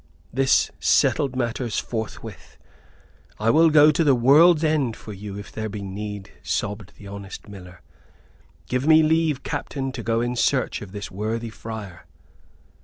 This settled matters forthwith. "I will go to the world's end for you, if there be need," sobbed the honest miller. "Give me leave, captain, to go in search of this worthy friar."